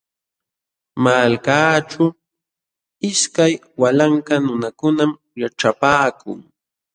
Malkaaćhu ishkay walanka nunakunam yaćhapaakun.